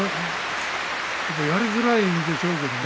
やりづらいんでしょうけれど。